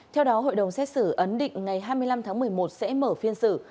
theo đó hội đồng xét xử ấn định ngày hai mươi năm tháng một mươi một sẽ mở phiên xử